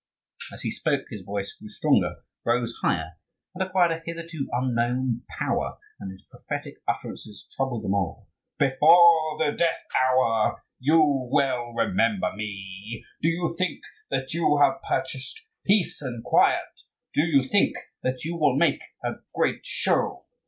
As he spoke his voice grew stronger, rose higher, and acquired a hitherto unknown power; and his prophetic utterances troubled them all. "Before the death hour you will remember me! Do you think that you have purchased peace and quiet? do you think that you will make a great show?